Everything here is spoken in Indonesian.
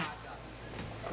gue jalan ke sana ya